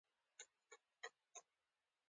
د کتاب په شکل یې چاپ کړي دي.